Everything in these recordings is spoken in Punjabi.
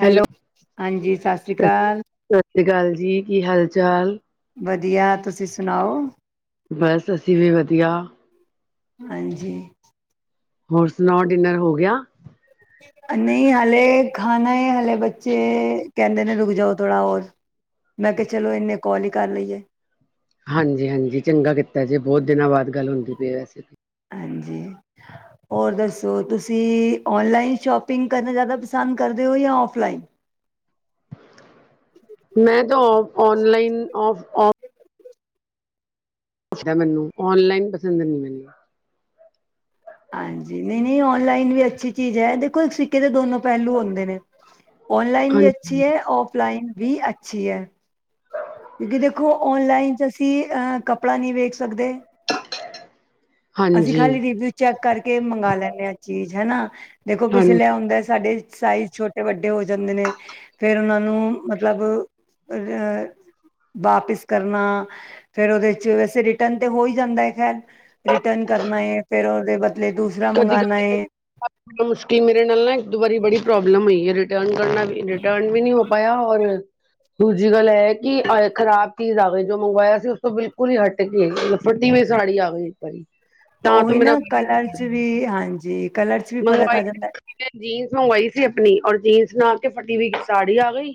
ਹੈਲੋ ਹਾਂਜੀ ਸਤਿ ਸ਼੍ਰੀ ਅਕਾਲ। ਹਾਂਜੀ ਕੀ ਹਾਲ ਚਾਲ। ਵਧੀਆ ਤੁਸੀਂ ਸੁਣਾਓ? ਬਸ ਅਸੀਂ ਵੀ ਵਧੀਆ। ਹਾਂਜੀ। ਹੋਰ ਸੁਣਾਓ ਡਿਨਰ ਹੋ ਗਿਆ। [inaudible] ਨਹੀਂ ਹਲੇ ਖਾਣਾ ਹੈ ਹਲੇ ਬੱਚੇ ਕਹਿੰਦੇ ਨੇ ਰੁਕ ਜਾਓ ਥੋੜਾ ਹੋਰ। ਮੈਂ ਕਿਹਾ ਚਲੋ ਇੰਨੇ ਕੋਲ ਹੀ ਕਰ ਲਈਏ। ਹਾਂਜੀ-ਹਾਂਜੀ ਚੰਗਾ ਕੀਤਾ ਜੇ, ਬਹੁਤ ਦਿਨਾਂ ਬਾਅਦ ਗੱਲ ਹੁੰਦੀ ਪਈ ਹੈ ਵੈਸੇ ਵੀ। ਹਾਂਜੀ। ਹੋਰ ਦੱਸੋ ਤੁਸੀਂ ਓਨਲਾਈਨ ਸ਼ੋਪਿੰਗ ਕਰਨਾ ਜ਼ਿਆਦਾ ਪਸੰਦ ਕਰਦੇ ਹੋ ਜਾਂ ਆਫਲਾਈਨ। ਹ [inaudible] ਮੈਂ ਤਾਂ ਔਫ ਔਨਲਾਈਨ ਔਫ [inaudible] ਪਸੰਦ ਹੈ ਮੈਨੂੰ ਔਨਲਾਈਨ ਪਸੰਦ ਨੀ ਮੈਨੂੰ। ਹਾਂਜੀ ਨਹੀਂ-ਨਹੀਂ ਔਨਲਾਈਨ ਵੀ ਅੱਛੀ ਚੀਜ਼ ਹੈ ਦੇਖੋ ਸਿੱਕੇ ਦੇ ਦੋਨੋ ਪਹਿਲੂ ਆਉਂਦੇ ਨੇ। ਔਨਲਾਈਨ ਵੀ ਹਾਂ ਅੱਛੀ ਹੈ, ਔਫਲਾਈਨ ਵੀ ਅੱਛੀ ਹੈ। ਕਿਉਂਕਿ ਦੇਖੋ ਔਨਲਾਈਨ ਚ ਅਸੀਂ ਅਹ ਕੱਪੜਾ ਨਹੀਂ ਵੇਖ ਸਕਦੇ। ਅਸੀਂ ਹਾਂਜੀ ਖਾਲੀ ਰੀਵਿਊ ਚੈੱਕ ਕਰਕੇ ਮੰਗਾ ਲੈਂਦੇ ਹਾਂ ਚੀਜ਼ ਹੈਨਾ। ਦੇਖੋਂ ਕਿਸ ਹਾਂਜੀ ਲੈ ਆਉਦਾ ਸਾਡੇ ਸਾਈਜ਼ ਛੋਟੇ ਵੱਡੇ ਹੋ ਜਾਂਦੇ ਨੇ, ਫਿਰ ਉਹਨਾਂ ਨੂੰ ਮਤਲਬ ਅ ਵਾਪਿਸ ਕਰਨਾ ਫੇਰ ਉਹਦੇ ਚ, ਵੈਸੇ ਰਿਟਰਨ ਤੇ ਹੋ ਹੀ ਜਾਂਦਾ ਹੈ ਖੈਰ। ਰਿਟਰਨ ਕਰਨਾ ਹੈ ਫੇਰ ਉਹਦੇ ਬਦਲੇ ਦੂਸ ਕਦੀ ਕਦੇ [unintelligible] ਇਨੀ ਮੁਸ਼ਕਿਲ ਮੇਰੇ ਨਾਲ ਨਾ ਇੱਕ ਦੋ ਬਾਰੀ ਬੜੀ ਪ੍ਰੋਬਲਮ ਹੋਈ ਐ ਰਿਟਰਨ ਕਰਨਾ ਵੀ ਰਿਟਰਨ ਵੀ ਨਹੀਂ ਹੋ ਪਾਇਆ ਔਰ ਦੂਜੀ ਗੱਲ ਇਹ ਕਿ ਖ਼ਰਾਬ ਚੀਜ਼ ਆਗੀ, ਜੋ ਮੰਗਵਾਇਆ ਸੀ ਉਸ ਤੋਂ ਬਿਲਕੁਲ ਹੀ ਹੱਟ। ਤੇ [unintelligible] ਫਟੀ ਵੀ ਸਾੜੀ ਆ ਗਈ। ਵਾਰੀ ਤਾਂ ਤੋਂ ਉਹੀ ਮੇਰਾ ਨਾ ਕਲਰ ਚ ਵੀ ਹਾਂਜੀ। ਕਲਰ ਚ ਵੀ ਫ਼ਰਕ ਮੰਗਵਾਈ ਆ ਜਾਂਦਾ ਸੀ [unintelligible] ਜੀਨਸ ਮੰਗਵਾਈ ਸੀ ਆਪਣੀ ਔਰ ਜੀਨਸ ਨਾ ਕੇ ਫਟੀ ਵੀਈ ਸਾੜੀ ਆ ਗਈ।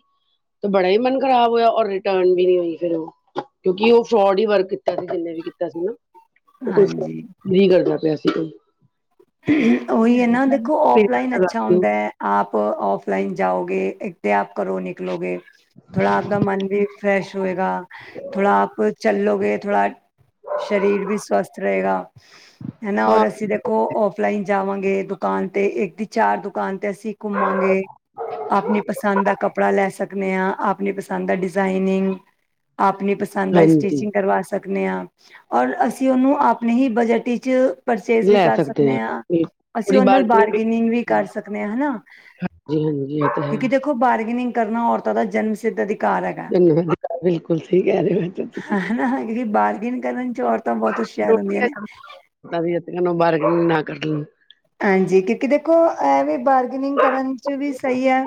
ਤੇ ਬੜਾ ਹੀ ਮਨ ਖ਼ਰਾਬ ਹੋਇਆ। ਔਰ ਰਿਟਰਨ ਵੀ ਨਹੀਂ ਹੋਈ ਫਿਰ ਉਹ। ਕਿਉਂਕਿ ਉਹ ਫਰੋਡ ਹੀ ਵਰਕ ਕੀਤਾ ਸੀ ਜਿੰਨੇ ਵੀ ਕੀਤਾ ਸੀ ਨਾ। ਉਹ ਕੁਈ ਹਾਂਜੀ [unintelligible] ਨਹੀਂ ਕਰਦਾ ਪਿਆ ਸੀ ਕੋਈ। ਉਹੀ ਹੈ ਨਾ ਦੇਖੋ ਔਫਲਾਈਨ ਅੱਛਾ ਹੁੰਦਾ ਹੈ ਆਪ ਔਫਲਾਈਨ ਜਾਓਗੇ ਤੇ ਆਪ ਕਰੋ ਨਿਕਲੋਗੇ। ਥੋੜਾ ਆਪਦਾ ਮਨ ਵੀ ਫਰੈਸ਼ ਹੋਏਗਾ। ਥੋੜਾ ਆਪ ਚੱਲੋਗੇ ਥੋੜਾ ਸਰੀਰ ਵੀ ਸਵਸਥ ਰਹੇਗਾ, ਹਨਾ ਹਾਂ ਔਰ ਅਸੀ ਦੇਖੋ ਔਫਲਾਈਨ ਜਾਵਾਂਗੇ ਦੁਕਾਨ ਤੇ ਇੱਕ ਚਾਰ ਦੁਕਾਨ ਤੇ ਅਸੀਂ ਘੁੰਮਾਂਗੇ। ਆਪਣੀ ਪਸੰਦ ਦਾ ਕੱਪੜਾ ਲੈ ਸਕਦੇ ਹਾਂ। ਆਪਣੀ ਪਸੰਦ ਦਾ ਡਿਜ਼ਾਇਨਿੰਗ ਆਪਣੀ ਪਸੰਦਾਈ, ਹਾਂਜੀ ਸਟੀਚਿੰਗ ਕਰਵਾਸ। ਸਕਦੇ ਹਾਂ, ਔਰ ਅਸੀਂ ਉਹਨੂੰ ਆਪਣੇ ਹੀ ਬਜਟ ਵਿਚ ਪਰਚੇਸ ਵੀ ਕਰ ਸਕਦੇ। ਮੈਂ ਹਾਂ, ਅਸੀਂ ਥੋੜੀ ਉਹ ਨਾਲ ਬਾਰਗਨਿੰਗ ਬਾਰਗੇਨਿੰਗ ਵੀ ਕਰ ਸਕਦੇ ਹਾਂ ਹਨਾ। ਹਾਂਜੀ, ਮੈਂ ਵਧੀਆ ਤੁਸੀਂ ਸੁਣੋ। ਕਿਉਕਿ ਦੇਖੋ, ਬਾਰਗੇਨਿੰਗ ਕਰਨਾ ਔਰਤਾਂ ਦਾ ਜਨਮ ਸਿੱਧ ਕਾਰ ਹੈ, ਧੰਨਵਾਦ ਬਿਲਕੁਲ ਸਹੀ ਕਹਿ ਰਹੇ ਹੋ ਤਾਂ ਤੁਸੀਂ ਬਾਰਗਿਨ ਕਰਨ ਚ ਔਰਤ ਤਾਂ ਬਹੁਤ ਹੁਸ਼ਿਆਰ ਹੁੰਦੀਆਂ ਨੇ। ਤਾ ਵੀ ਆਪਣੀ, ਬਾਰਗਿਨਾ ਰੱਖਦੀਆਂ। ਐਨਜੀ, ਕਿਉਕਿ ਦੇਖੋ ਇਵੇ ਵਾਰਨਿੰਗ ਕਰਨ ਵਿਚ ਵੀ ਸਹੀ ਹੈ।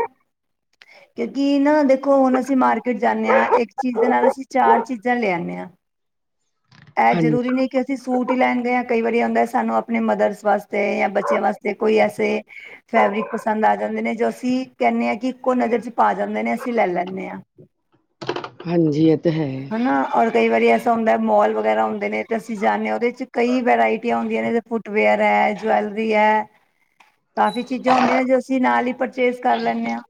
[unintelligible] ਕਿਉਕਿ ਨਾ ਦੇਖੋ ਹੁਣ, ਅਸੀਂ ਮਾਰਕੀਟ ਜਾਣੇ ਆ, ਇੱਕ ਚੀਜ਼ ਦੇ ਨਾਲ ਅਸੀਂ ਚਾਰ ਚੀਜ਼ਾਂ ਲਿਆਣੇ ਆ। [unintelligible] ਇਹ ਹਾਂਜੀ ਜ਼ਰੂਰੀ ਨਹੀਂ ਕਿ ਅਸੀਂ ਸੂਟ ਹੀ ਲਹਿਣ ਗਏ ਆ, ਕਈ ਵਾਰੀ ਆਪਣੇ ਮਦਰਸ ਵਾਸਤੇ ਜਾਂ ਬ। ਬੱਚਿਆਂ ਵਾਸਤੇ ਕੋਈ, ਐਸੇ ਫੈਬਰਿਕ ਪਸੰਦ ਆ ਜਾਂਦੇ ਨੇ, ਜੋ ਅਸੀ ਕਹਿਨੇ ਹਾਂ ਕਿ ਇੱਕੋ ਨਜ਼ਰ ਚ। ਪਾ ਜਾਂਦੇ ਨੇ ਅਸੀਂ ਲੈ ਲਹਿਣੇ। ਹਾਂਜੀ ਇਹ ਤਾਂ ਹੈ ਹਨਾ ਔਰ ਕਈ ਵਾਰੀ ਐਸਾ ਹੁੰਦਾ ਮੋਲ ਵਗੈਰਾ ਹੁੰਦੇ ਨੇ ਤੇ ਅਸੀਂ ਜਾਂਦੇ ਹਾਂ। ਉਹਦੇਚ ਕਈ ਵੈਰਾਇਟੀਆਂ ਹੁੰਦੀਆਂ ਨੇ ਫ ਵੇਅਰ ਐਜਲ [unintelligible] ਕਾਫੀ ਚੀਜ਼ਾਂ ਹੁੰਦੀਆਂ ਨੇ, ਜੋ ਅਸੀਂ ਨਾਲ ਹੀ ਪਰਚੇਸ ਕਰ ਲੈਂਦੇ ਹਾਂ।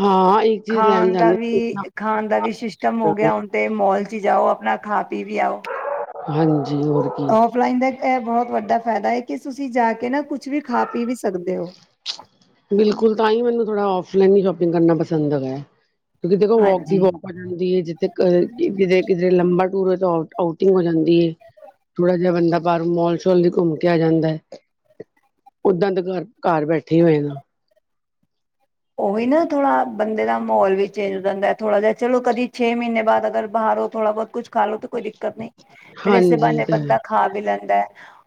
ਹਾਂ ਇੱਕ ਚੀਜ਼ ਲੈਣ ਖਾਣ ਦਾ ਵੀ, ਜਾਂਦੇ ਖਾਣ ਦਾ ਵੀ ਸਿਸਟਮ ਹੋ ਨਾਲ ਗਿਆ ਹੁਣ। ਤੇ ਮੋਲ ਵਿਚ ਜਾਓ, ਆਪਣਾ ਖਾ ਪੀ ਵੀ ਆਓ। ਹਾਂਜੀ ਹੋਰ ਕੀ। ਔਫਲਾਈਨ ਦਾ ਇਹ ਇੱਕ ਬਹੁਤ ਵੱਡਾ ਫਾਇਦਾ ਹੈ। ਕਿ ਤੁਸੀਂ ਜਾ ਕੇ ਨਾ ਕੁਛ ਵੀ ਖਾ ਪੀ ਵੀ ਸਕਦੇ ਹੋ। ਬਿਲਕੁਲ, ਤਾਹੀ ਮੈਨੂੰ ਥੋੜਾ ਔਫਲਾਈਨ ਹੀ ਸ਼ੋਪਿੰਗ ਕਰਨਾ ਪਸੰਦ ਹੈਗਾ। ਤੁਸੀਂ ਦੇਖੋ ਵੋਕ ਦੀ ਹਾਂਜੀ। ਵੋਕ। ਹੋ ਜਾਂਦੀ ਹੈ, ਜਿੱਥੇ ਕਿ ਕਿ ਕਦੇ ਲੰਬਾ ਟੂਰ ਹੋ, ਆਊਟਿੰਗ ਹੋ ਜਾਂਦੀ ਹੈ। ਥੋੜਾ ਜਿਹਾ ਬੰਦਾ ਬਾਹਰੋਂ ਮੋਲ-ਸ਼ੋਲ ਦੀ ਘੁੰਮ ਕੇ ਆ ਜਾਂਦਾ ਹੈ। ਓਦਾਂ ਦੇ ਘਰ ਘਰ ਬੈਠੇ ਹੋਏਗਾ। ਉਹੀ ਨਾ ਥੋੜ੍ਹਾ ਬੰਦੇ ਦਾ ਮਾਹੌਲ ਵੀ ਚੇਜ ਹੋ ਜਾਂਦਾ, ਥੋੜ੍ਹਾ ਜਿਹਾ ਚਲੋ, ਕਦੀ ਛੇ ਮਹੀਨੇ ਬਾਅਦ ਅਗਰ ਬਾਹਰੋਂ ਥੋੜਾ ਬਹੁਤ ਕੁਛ ਖਾਲੋ, ਤੇ ਕੋਈ ਦਿੱਕਤ ਨਹੀਂ, ਫੇਰ ਹਸੇ ਹਾਂਜੀ ਬਹਾਨੇ ਤੇ ਬੰਦਾ ਖਾ ਵੀ ਲੈਂਦਾ।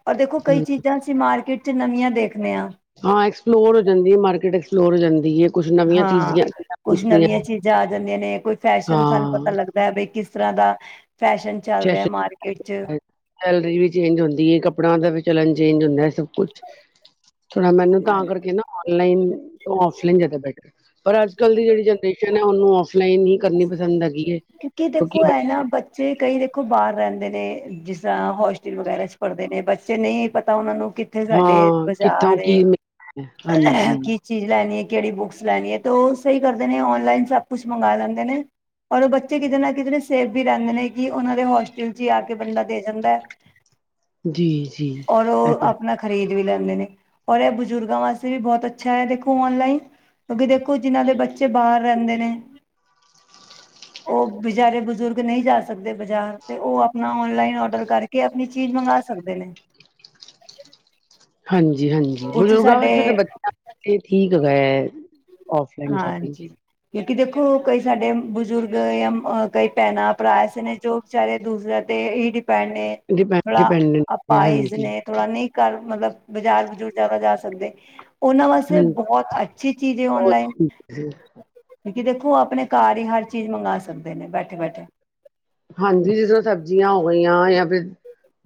ਔਰ ਦੇਖੋ ਕਈ ਚੀਜ਼ਾ ਤੇ ਮਾਰਕੀਟ ਚ, ਨਵੀਆਂ ਦੇਖਦੇ ਆ। ਹਾਂ ਐਕਸਪਲੋਰ ਹੋ ਜਾਂਦੀ ਹੈ, ਮਾਰਕੀਟ ਐਕਸਪਲੋਰ ਹੋ ਜਾਂਦੀ ਹੈ। ਕੁਛ ਨਵੀਆਂ ਹਾਂ, ਚੀਜ਼ਾਂ ਕੁੱਛ ਨਵੀਆਂ ਦਿਖਦੀਆਂ ਚੀਜ਼ਾਂ ਆ ਜਾਂਦੀਆਂ ਨੇ, ਕੋਈ ਫੈਸ਼ਨ ਸਾਨੂੰ ਪਤਾ ਹਾਂ ਲੱਗਦਾ। ਬਏ ਬਈ ਕਿਸ ਤਰ੍ਹਾਂ ਦਾ, ਫੈਸ਼ਨ ਚੱਲ ਰਿਹਾ ਸੈਸ਼ਨ ਮਾਰਕੀਟ ਚ। ਸੈਲਰੀ ਵੀ ਚੇਂਜ ਹੁੰਦੀ ਹੈ, ਕੱਪੜਿਆਂ ਦਾ ਵੀ ਚਲਣ ਹੁੰਦਾ ਹੈ। ਸਭ ਕੁਛ ਥੋੜਾ ਮੈਨੂੰ ਹਾਂ। ਤਾਂ ਕਰਕੇ ਨਾ। ਔਨਲਾਈਨ ਤੋਂ ਔਫਲਾਈਨ ਜ਼ਿਆਦਾ ਬੈਟਰ, ਪਰ ਅੱਜ- ਕੱਲ ਦੀ ਜਿਹੜੀ ਜਨਰੇਸ਼ਨ ਹੈ। ਉਹਨੂੰ ਔਫ ਫਲਾਈਨ ਹੀ ਕਰਨੀ ਪਸੰਦ ਹੈਗੀ ਹੈ। ਦੇਖੋ ਹੈ ਕਿਉਂਕਿ ਨਾ ਬੱਚੇ ਬੱਚੇ ਕਈ ਦੇਖੋ ਬਾਹਰ ਰਹਿੰਦੇ ਨੇ, ਜਿਸ ਤਰ੍ਹਾਂ ਹੋਸਟਲ ਵਗੈਰਾ ਵਿਚ ਪੜ੍ਹਦੇ ਨੇ, ਬੱਚੇ ਦੇ ਨਹੀਂ ਪਤਾ, ਉਹਨਾਂ ਨੂੰ ਕਿੱਥੇ ਸਾਡੇ ਹਾਂ ਕਿੱਥੋਂ ਬਾਜ਼ਾਰ ਏ, ਕੀ ਮਿਲ ਹਾਂਜੀ ਕੀ ਚੀਜ਼ ਲੈਣੀ ਹੈ, ਕਿਹੜੀ ਬੁੱਕਸ ਲੈਣੀ ਹੈ, ਤੇ ਉਹ ਸਹੀ ਕਰਦੇ ਨੇ ਔਨਲਾਈਨ ਸਭ ਕੁਛ ਮੰਗਵਾ ਲੈਂਦੇ ਨੇ। ਔਰ ਉਹ ਬੱਚੇ ਕਿਤੇ ਨਾ ਕਿਤੇ ਸੇਫ ਵੀ ਰਹਿੰਦੇ ਨੇ, ਕਿ ਉਹਨਾਂ ਦੇ ਹੋਸਟਲ ਚ ਹੀ ਆ ਕੇ ਬੰਦਾ ਦੇ ਜਾਂਦਾ ਹੈ। [unintelligible] ਜੀ ਜੀ ਔਰ ਇਹ ਤੇ ਆਪ ਖਰੀਦ ਵੀ ਲੈਂਦੇ ਨੇ, ਔਰ ਇਹ ਬਜ਼ੁਰਗਾਂ ਵਾਸਤੇ ਵੀ ਬਹੁਤ ਅੱਛਾ ਹੈ ਦੇਖੋ ਔਨਲਾਈਨ। ਕਿਉਂਕਿ ਦੇਖੋ, ਜਿਨਾਂ ਦੇ ਬੱਚੇ ਬਾਹਰ ਰਹਿੰਦੇ ਨੇ। ਹਾ ਉਹ ਬਿਚਾਰੇ ਬਜ਼ੁਰਗ ਨਹੀਂ ਜਾ ਸਕਦੇ ਬਾਜ਼ਾਰ, ਤੇ ਉਹ ਆਪਣਾ ਔਨਲਾਈਨ ਆਡਰ ਕਰਕੇ ਤੇ ਆਪਣੀ ਚੀਜ਼ ਮੰਗਵਾ ਸਕਦੇ ਨੇ ਹਾਂਜੀ- ਹਾਂਜੀ ਕੁਛ ਬਜ਼ੁਰਗਾਂ ਵਾਸਤੇ ਸਾਡੇ ਤਾਂ ਬੱਚਿਆਂ ਠੀਕ ਹੈਗਾ ਏ ਹਾਂ ਜੀ ਕਿਉਂਕਿ ਦੇਖੋ ਕਈ ਸਾਡੇ ਬਜ਼ੁਰਗ ਜਾਂ ਕਈ ਭੈਣਾਂ, ਭਰਾ ਐਸੇ ਨੇ ਜੋ ਵਿਚਾਰੇ ਦੂਸਰਿਆਂ ਤੇ ਹੀ ਡਿਪੈਂਡ ਨੇ, ਡਿਪੈਂਡ ਥੋੜਾ ਡਿਪੈਂਡੈਂਟ ਅਪਾਹਿਜ ਹਾਂਜੀ ਨੇ ਥੋੜਾ ਨਹੀਂ ਕਰ ਮਤਲਬ ਬਾਜ਼ਾਰ ਬਜ਼ੂਰ ਜਿਆਦਾ ਜਾ ਸਕਦੇ ਉਹਨਾਂ ਵਾਸਤੇ ਬਹੁਤ ਅੱਛੀ ਚੀਜ਼ ਏ ਔਨਲਾਈਨ ਜੀ ਕਿਉਕਿ ਦੇਖੋ ਆਪਣੇ ਘਰ ਹੀ ਹਰ ਚੀਜ਼ ਮੰਗਵਾ ਸਕਦੇ ਨੇ ਬੈਠੇ -ਬੈਠੇ ਹਾਂਜੀ ਜਿਸ ਤਰ੍ਹਾਂ ਸਬਜ਼ੀਆਂ ਹੋ ਗਈਆਂ ਜਾਂ ਫਿਰ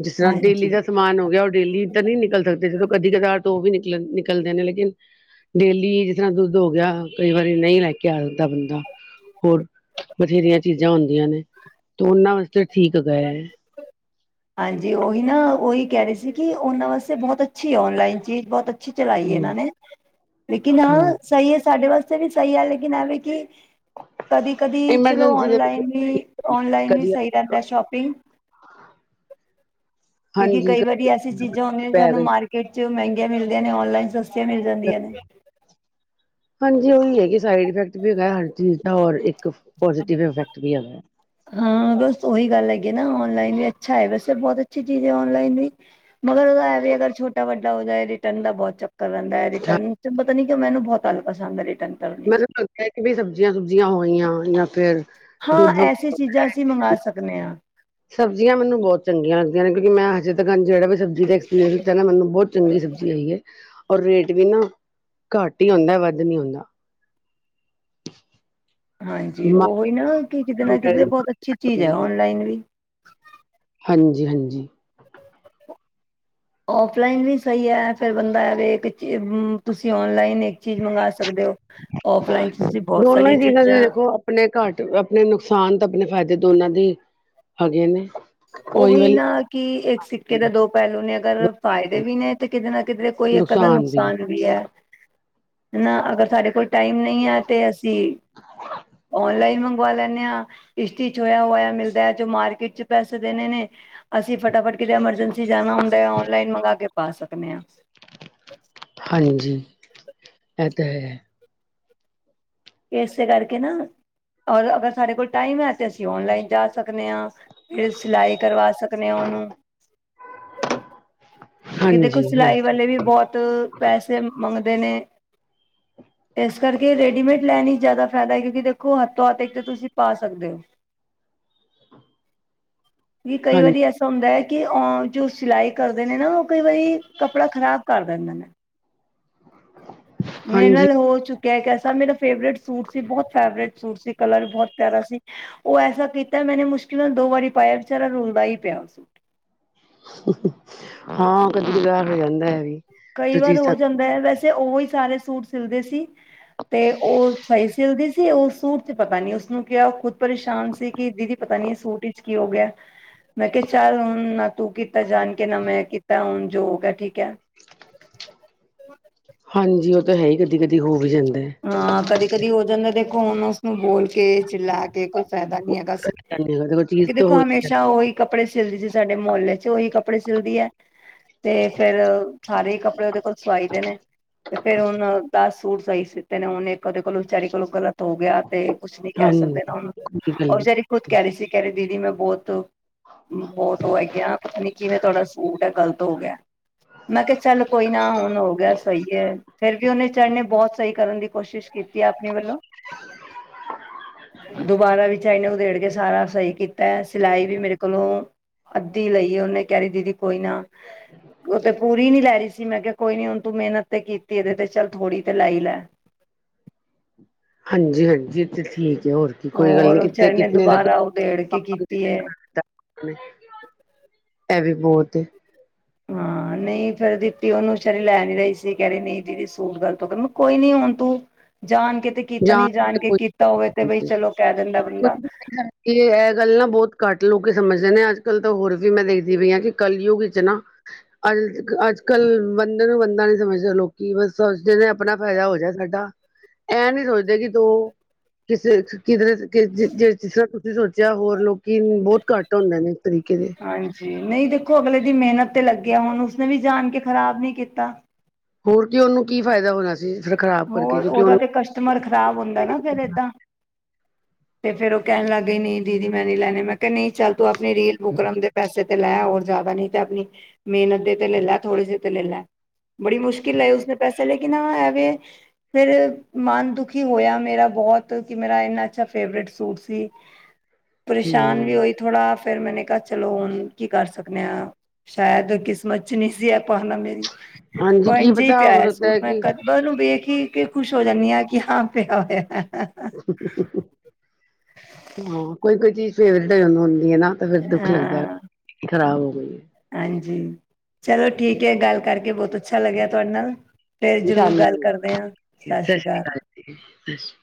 ਜਿਸ ਤਰ੍ਹਾਂ ਡੇਲੀ ਹਾਂਜੀ ਦਾ ਸਮਾਨ ਸਮਾਨ ਹੋ ਗਿਆ ਉਹ ਡੇਲੀ ਤਾਂ ਨਹੀਂ ਨਿਕਲ ਸਕਦੇ ਜਦੋਂ ਕਦੀ ਕਦਾਰ ਤੋਂ ਉਹ ਵੀ ਨਿਕਲ ਨਿਕਲਦੇ ਨੇ ਲੇਕਿਨ ਡੇਲੀ ਜਿਸ ਤਰ੍ਹਾਂ ਦੁੱਧ ਹੋ ਗਿਆ ਕਈ ਵਾਰੀ ਨਹੀਂ ਲੈ ਕੇ ਆ ਸਕਦਾ ਬੰਦਾ ਹੋਰ ਬਥੇਰੀਆਂ ਚੀਜ਼ਾਂ ਹੁੰਦੀਆਂ ਨੇ ਤੇ ਉਹਨਾਂ ਵਾਸਤੇ ਠੀਕ ਹੈ ਹਾਂਜੀ ਉਹੀ ਨਾ ਉਹੀ ਕਹਿ ਰਹੇ ਸੀ ਕਿ ਉਹਨਾਂ ਵਾਸਤੇ ਬਹੁਤ ਅੱਛੀ ਔਨਲਾਈਨ ਚੀਜ਼ ਬਹੁਤ ਅੱਛੀ ਅੱਛੀ ਚਲਾਈ ਹਮ ਇਹਨਾਂ ਨੇ ਲੇਕਿਨ ਹਾਂ ਹਾਂਜੀ ਸਹੀ ਹੈ ਸਾਡੇ ਵਾਸਤੇ ਵੀ ਸਹੀ ਹੈ ਲੇਕਿਨ ਐਵੇਂ ਕਿ ਕਦੀ -ਕਦੀ ਚਲੋ ਐਮਰਜੈਂਸੀ ਦੇ ਔਨਲਾਈਨ ਵੀ- ਔਨਲਾਈਨ ਵੀ ਕਦੀ ਸਹੀ ਰਹਿੰਦਾ ਸ਼ੋਪਿੰਗ ਕਿਉਂਕਿ ਹਾਂਜੀ ਕਈ ਕਦੀ ਵਾਰੀ ਐਸੀ ਚੀਜ਼ਾਂ ਹੁੰਦੀਆਂ ਨੇ ਪੈ ਸਾਨੂੰ ਗਈ ਮਾਰਕੀਟ ਚ ਮਹਿੰਗੀਆਂ ਮਿਲਦੀਆਂ ਨੇ ਔਨਲਾਈਨ ਸਤਸਤੀਆ ਮਿਲ ਜਾਂਦੀਆਂ ਨੇ ਹਾਂਜੀ ਉਹੀ ਹੈਗੀ ਸਾਈਡ ਇਫੈਕਟ ਵੀ ਹੈਗਾ ਹਰ ਚੀਜ਼ ਦਾ ਔਰ ਇੱਕ ਪੋਜੀਟਿਵ ਇਫੈਕਟ ਵੀ ਹੈਗਾ ਹਾਂ ਬਸ ਉਹੀ ਗੱਲ ਹੈਗੀ ਆ ਨਾ ਔਨਲਾਈਨ ਵੀ ਅੱਛਾ ਹੈ ਵੈਸੇ ਬਹੁਤ ਅੱਛੀ ਚੀਜ਼ ਹੈ ਔਨਲਾਈਨ ਵੀ ਮਗਰ ਉਹਦਾ ਹੈ ਵੀ ਅਗਰ ਛੋਟਾ ਵੱਡਾ ਹੋ ਜਾਵੇ ਰਿਟਰਨ ਦਾ ਬਹੁਤ ਚਕਰ ਕਰਨ ਦਾ ਰਿਟਰਨ ਚ ਪਤਾ ਕਿਂ ਮੈਨੂੰ ਬਹੁਤ ਅਲ ਪਸੰਦ ਹੈ ਰਿਟਰਨ ਕਰਨ ਚ ਮੈਨੂੰ ਲੱਗਦਾ ਕਿ ਵੀ ਸਬਜ਼ੀਆਂ- ਸੁਬਜੀਆਂ ਹੋਈਆਂ ਜਾਂ ਫ਼ਿਰ ਹਾਂ ਐਸੀੇ ਚੀਜ਼ਾਂ ਅਸੀਂ ਮੰਗਵਾ ਸਕਦੇ ਹਾਂ ਸਬਜ਼ੀਆਂ ਮੈਨੂੰ ਬਹੁਤ ਚੰਗੀਆ ਲੱਗਦੀ ਨੇ ਕਿਉਂਕਿ ਮੈਂ ਹਜੇ ਤੱਕ ਜਿਹੜੇ ਵੀ ਸਬਜ਼ੀ ਐਕਸਪੀਰੀਅਸ ਹੈ ਨਾ ਮਨ ਬਹੁਤ ਚੰਗੀ ਸਬਜ਼ੀ ਆਈ ਏ ਔਰ ਰੇਟ ਵੀ ਨਾ ਘੱਟ ਹੀ ਹੁੰਦਾ ਵੱਧ ਨੀ ਹੁੰਦਾ ਹਾਂਜੀ ਉਹੀ ਨਾ ਕਿ ਕਿਤੇ ਨਾ ਕਿਤੇ ਬਹੁਤ ਅੱਛੀ ਚੀਜ਼ ਹੈ ਓਨਲਾਈਨ ਵੀ ਹਾਂਜੀ -ਹਾਂਜੀ [inaudible] ਔਫਲਾਈਨ ਵੀ ਸਹੀ ਏ ਫਿਰ ਬੰਦਾ ਐਵੇ ਇੱਕ ਚ ਤੁਸੀਂ ਔਨਲਾਈਨ ਇੱਕ ਚੀਜ਼ ਮੰਗਵਾ ਸਕਦੇ ਹੋ ਔਫਲਾਈਨ ਚ ਅਸੀ ਬਹੁਤ ਦੋਨੋ ਸਾਰੀਆਂ ਹੀ ਦੇ ਚੀਜ਼ਾਂ ਦੇਖੋ ਆਪਣੇ ਘੱਟ ਆਪਣੇ ਨੁਕਸਾਨ ਤੇ ਆਪਣੇ ਦੋਨਾਂ ਦੇ ਹੈਗੇ ਨੇ ਉਹੀ ਨਾ ਕਿ ਇੱਕ ਸਿੱਕੇ ਦੇ ਦੋ ਪਹਿਲੂ ਨੇ ਅਗਰ ਫਾਇਦੇ ਵੀ ਨੇ ਤੇ ਕਿਤੇ ਨਾ ਕਿਤੇ ਕੋਈ ਇੱਕ ਅਧਾ ਨਕਸਾਨ ਨੁਕਸਾਨ ਵੀ ਏ [inaudible] ਨਾ ਅਗਰ ਸਾਡੇ ਕੋਲ ਟਾਈਮ ਨਹੀਂ ਹੈ ਤੇ ਅਸੀਂ, ਔਨਲਾਈਨ ਮੰਗਵਾ ਲੈਂਦੇ ਆ ਚੌਇਆ ਹੋਇਆ ਮਿਲਦਾ ਏ ਜੋ ਮਾਰਕੀਟ ਚ ਪੈਸੇ ਦੇਣੇ ਨੇ ਅਸੀਂ ਫਟਾਫਟ ਕਿਤੇ ਐਮਰਜੈਂਸੀ ਜਾਣਾ ਹੁੰਦਾ ਔਨਲਾਈਨ ਮੰਗਵਾ ਕੇ ਪਾ ਸਕਦੇ ਹਾਂ ਹਾਂਜੀ, ਇਹ ਤਾਂ ਹੈ। ਇਸੇ ਕਰਕੇ ਨਾ ਔਰ ਅਗਰ ਸਾਡੇ ਕੋਲ ਟਾਈਮ ਹੈ ਤਾਂ ਅਸੀਂ ਔਨਲਾਈਨ ਜਾ ਸਕਦੇ ਹਾਂ ਫਿਰ ਸਿਲਾਈ ਕਰਵਾ ਸਕਦੇ ਹਾਂ ਉਹਨੂੰ ਕਿ ਦੇਖੋ ਹਾਂਜੀ ਸਿਲਾਈ ਹਾਂਜੀ ਵਾਲੇ ਵੀ ਬੋਤ ਪੈਸੇ ਮੰਗਦੇ ਨੇ। [inaudible] ਏਸ ਕਰਕੇ ਰੇਡੀਮੇਡ ਲੈਨ ਚ ਜਾਦਾ ਫੈਦੈ, ਕਿਉਂਕਿ ਦੇਖੋ ਹੱਥੋਂ ਹੱਥ ਇੱਕ ਤਾਂ ਪਾ ਸਕਦੇ ੳ [inaudible] ਵੀ ਕਈ ਹਾਂਜੀ ਵਾਰੀ ਐਸਾ ਹੁੰਦਾ ਏ ਕਿ ਅ ਜੋ ਸਿਲਾਈ ਕਰਦੇ ਨੇ ਨਾ ਉ ਕਈ ਵਾਰੀ ਕੱਪੜਾ ਖ਼ਰਾਬ ਕਰ ਦਿੰਦੇ ਨੇ। ਮੇਰੇ ਹਾਂਜੀ ਨਾਲ ਹੋ ਚੁੱਕਿਆ ਇੱਕ ਐਸਾ ਮੇਰਾ ਫੇਵਰੇਟ ਸੂਟ ਸੀ ਬਹੁਤ ਫੇਵਰੇਟ ਸੂਟ ਸੀ ਕਲਰ ਬਹੁਤ ਪੈ ਸੀ ਉ ਐਸਾ ਕੀਤਾ ਮੈਨੇ ਮੁਸ਼ਕਿਲ ਨਾਲ ਦੋ ਵਾਰੀ ਪਾਇਆ ਵਿਚਾਰਾ ਰੁਲਦਾ ਈ ਪਿਆ ਸੀ। ਹਾਂ ਕਦੀ ਕੀਦਾਰ ਹੋ ਜਾਂਦਾ ਐ ਵੀ। ਕਈ ਜੋ ਵਾਰ ਚੀਜ਼ ਹੋ ਸਾ ਜਾਂਦਾ ਏ ਵੈਸੇ ਉ ਈ ਸਾਰੇ ਸੂਟ ਸਿਲਦੇ ਸੀ। ਤੇ ਉ ਸਈ ਸਿਲਦੀ ਸੀ ਉ ਸੂਟ ਚ ਪਤਾ ਨੀ ਉਸਨੂੰ ਕਿਆ ਉ ਖੁਦ ਪਰੇਸ਼ਾਨ ਸੀ ਕਿ ਦੀਦੀ ਪਤਾ ਨੀ ਸੂਟ ਵਿਚ ਕੀ ਹੋ ਗਿਆ, ਮੈਂ ਕਿਹਾ ਚੱਲ ਹੁਨ ਨਾ ਤੂੰ ਨਾ ਜਾਨ ਕੇ ਮੈਂ ਕੀਤਾ ਹੁਨ ਜੋ ਹੋਗਾ ਠੀਕ ਐ। ਹਾਂਜੀ ਉ ਤਾਂ ਹੈ ਈ ਕਦੀ-ਕਦੀ ਹੋ ਵੀ ਜਾਂਦੈ। ਹਾਂ ਕਦੇ ਕਦੀ ਹੋ ਜਾਂਦਾ ਦੇਖੋ ਹੁਨ ਉਸਨੂੰ ਬੋਲ ਕੇ ਚਿਲਾ ਕੇ ਕੋਈ ਫੈਦਾ ਨੀ ਹੈ। ਕੋਈ ਚੀਜ਼ ਕਿ ਤਾਂ ਦੇਖੋ ਹੋ ਹਮੇਸ਼ਾ ਉਈ ਕੱਪੜੇ ਸਿਲਦੀ ਸੀ ਸਾਡੇ ਮੁਹੱਲੇ ਚ ਤੇ ਉਈ ਕੱਪੜੇ ਸਿਲਦੀ ਐ ਤੇ ਫੇਰ ਸਾਰੇ ਈ ਕੱਪੜੇ ਉਦੇ ਕੋਲ ਸਵਾਈ ਦੇ ਨੇ। ਤੇ ਫੇਰ ਉਨੇ ਦਸ ਸੂਟ ਸਈ ਸਿਤੇ ਨੇ ਉਨੇ ਇੱਕ ਉਦੇ ਕੋਲੋਂ ਵਿਚਾਰੀ ਕੋਲੋਂ ਗਲਤ ਹੋ ਗਿਆ। ਤੇ ਕੁਛ ਨੀ ਕਹਿ ਹਾਂਜੀ ਸਕਦੇ ਨਾ ਹ ਕੋਈ ਗੱਲ ਉ ਨੀ ਵਿਚਚਾਰੀ ਖੁਦ ਕੈ ਰਈ ਸੀ ਕੈਰੀ ਦੀਦੀ ਮੈਂ ਬਹੁਤ ਬਹੁਤ ਉ ਹੈਗੀ ਆ, ਪਤਾ ਨੀ ਕਿਵੇਂ ਤੁਹਾਡਾ ਸੂਟ ਐ ਗ਼ਲਤ ਹੋ ਗਿਆ। ਮੈਂ ਕਿਆ ਚੱਲ ਕੋਈ ਨਾ ਹੁਨ ਹੋ ਗਿਆ ਸਈ ਏ ਫੇਰ ਵੀ ਉਨੇ ਵਿਚਾਰੀ ਨੇ ਬਹੁਤ ਸਈ ਕਰਨ ਦੀ ਕੋਸ਼ਿਸ਼ ਕੀਤੀ ਆ ਆਪਨੇ ਵੱਲੋਂ [inaudible] ਦੁਬਾਰਾ ਵਿਚਾਰੀ ਨੇ ਉਦੇੜ ਕੇ ਸਾਰਾ ਸਈ ਕੀਤੈ ਸਿਲਾਈ ਵੀ ਮੇਰੇ ਕੋਲੋਂ ਅੱਧੀ ਲਈਏ ਉਨੇ ਕੈ ਰੀ ਦੀਦੀ ਕੋਈ ਨਾ ਉ ਤੇ ਪੂਰੀ ਨੀ ਲੈ ਰਈ ਸੀ ਮੈਂ ਕਿਹਾ ਕੋਈ ਨੀ ਹੁਨ ਤੂੰ ਮੈਨਤ ਤੇ ਕੀਤੀ ਇਦੇ ਤੇ ਚੱਲ ਥੋੜੀ ਤੇ ਲੈਈ ਲੈ। ਹਾਂਜੀ-ਹਾਂਜੀ ਠੀਕ ਹੋਰ ਕੋਈ ਗੱਲ ਨੀ ਔਰ ਕਿੱਥੇ ਵਿਚਾਰੇ ਨੇ ਦੁਬਾਰਾ ਉਧੇੜ ਕੇ ਕੀਤੀ ਏ। [unintelligible] ਐ ਵੀ ਬੋਤ ਏ। ਹਾਂ ਨਈ ਫੇਰ ਦਿੱਤੀ ਉਨੂੰ ਬੇਚਾਰੀ ਲੈ ਨੀ ਰਈ ਸੀ ਕੈ ਰੀ ਨਈ ਦੀਦੀ ਸੂਟ ਗਲਤ ਹੋ ਗਿਆ ਮੈਂ ਕਿਹਾ ਕੋਈ ਨੀ ਹੁਨ ਤੂੰ ਜਾਨ ਕੇ ਤੇ ਕੀਤਾ ਜਾਂ ਨੀ ਜਾਨ ਕੇ ਕੀਤਾ ਹੋਵੇ ਤੇ ਬਈ ਚਲੋ ਕੈ ਦਿੰਦਾ ਬੰਦਾ। ਏ ਐ ਗੱਲ ਨਾ ਬੋਤ ਘੱਟ ਲੋਕ ਸਮਝਦੇ ਨੇ ਅੱਜ ਕੱਲ੍ਹ ਤਾਂ ਹੋਰ ਵੀ ਮੈਂ ਦੇਖਦੀ ਪਈ ਆਂ ਕਿ ਕੱਲਯੁੱਗ ਵਿੱਚ ਨਾ ਅੱਜ-ਅੱਜ ਕੱਲ ਬੰਦੇ ਨੂੰ ਬੰਦਾ ਨੀ ਸਮਝਦਾ ਲੋਕੀ ਬਸ ਸਮਚਦੇ ਨੇ ਆਪਣਾ ਫੈਦਾ ਹੋ ਜਾਏ ਸਾਡਾ। ਐ ਨੀ ਸੋਚਦੇ ਕਿ [unintelligible] ਜਾਂ ਹੋਰ ਲੋਕੀ ਬੋਤ ਘੱਟ ਹੁੰਦੇ ਨੇ ਇਸ ਤਰੀਕੇ ਦੇ। ਹਾਂਜੀ ਨਈ ਦੇਖੋ ਅਗਲੇ ਦੀ ਮਿਹਨਤ ਤੇ ਲੱਗਿਆ ਹੁਨ ਉਸਨੇ ਵੀ ਜਾਨ ਕੇ ਖ਼ਰਾਬ ਨੀ ਕੀਤਾ। ਹੋਰ ਕੀ ਉਨੂੰ ਕੀ ਫਾਇਦਾ ਹੋਨਾ ਸੀ। ਫਿਰ ਖ਼ਰਾਬ ਕਰਕੇ ਹੋਰ ਕਿਉਂਕਿ ਉਦਾ ਉਹਨੂੰ ਤੇ ਕਸਟਮਰ ਖ਼ਰਾਬ ਹੁੰਦਾ ਨਾ ਫੇਰ ਏਦਾਂ। ਤੇ ਫੇਰ ਉ ਕੈਨ ਲੱਗ ਗਈ ਨਈ ਦੀਦੀ ਮੈਂ ਨੀ ਲੈਨੇ ਮੈਂ ਕਿਆ ਨਈ ਚੱਲ ਤੂੰ ਆਪਨੀ ਰੀਲ ਬੁੱਕਰਮ ਦੇ ਪੈਸੇ ਤੇ ਲੈ ਹੋਰ ਜਾਦਾ ਨਈ ਤੇ ਆਪਨੀ ਮੇਨਤ ਦੇ ਤੇ ਲੈ ਲੈ ਥੋੜੇ ਜੇ ਤੇ ਲੈ ਲੈ। ਬੜੀ ਮੁਸ਼ਕਿਲ ਲਏ ਉਸਨੇ ਪੈਸੇ ਲੇਕਿਨ ਹਾਂ ਆਵੇ ਫੇਰ ਮਨ ਦੁਖੀ ਹੋਇਆ ਮੇਰਾ ਬਹੁਤ ਕਿ ਮੇਰਾ ਇੰਨਾ ਅੱਛਾ ਫੇਵਰੇਟ ਸੂਟ ਸੀ। [inaudible] ਪਰੇਸ਼ਾਨ ਵੀ ਹਮ ਹੋਈ ਥੋੜ੍ਹਾ ਫੇਰ ਮੈਨੇ ਕਿਆ ਚਲੋ ਹੁਨ ਕੀ ਕਰ ਸਕਦੇ ਆਂ। ਸ਼ਾਇਦ ਕਿਸਮਤ ਚ ਨੀ ਸੀ ਐ ਪਾਨਾ ਮੇਰੀ ਹਾਂਜੀ ਕੀ ਇੰਝੇ ਈ ਪਤਾ ਹੋ ਪਿਆਇਆ ਸਕਦਾ ਸੂਟ ਹੈ ਮੈਂ ਕਿ ਕਦੇ ਮੈਂ ੳਨੂੰ ਵੇਖ ਕੇ ਖੁਸ਼ ਹੋ ਜਾਨੀ ਆ ਕਿ ਹਾਂ ਪੇਆ ਹੋਏਆ। ਹਾਂ ਕੋਈ ਕੋਈ ਚੀਜ਼ ਫੇਵਰੇਟ ਹੋ ਹੁੰਦੀ ਐ ਨਾ। ਤੇ ਫੇਰ ਦੁੱਖ ਲੱਗਦਾ ਖ਼ਰਾਬ ਹੋ ਗਈ ਏ। ਹਂਜੀ, ਚਲੋ ਠੀਕ ਏ। ਗੱਲ ਕਰਕੇ ਬੋਤ ਅੱਛਾ ਲਗੇਆ ਤੁਆਡੇ ਨਾਲ, ਫੇਰ ਹੈ ਜ਼ਰੂਰ ਸਾਨੂੰ ਗੱਲ ਕਰਦੇ ਆਂ, ਸਤਿ ਸ਼੍ਰੀ ਅਕਾਲ। [inaudible]